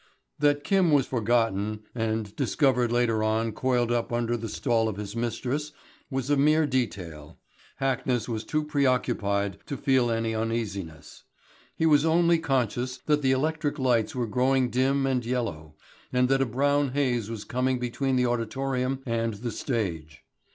That Kim was forgotten and discovered later on coiled up under the stall of his mistress was a mere detail. Hackness was too preoccupied to feel any uneasiness. He was only conscious that the electric lights were growing dim and yellow, and that a brown haze was coming between the auditorium and the stage.